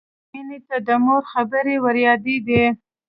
مینې ته د مور خبرې وریادېدې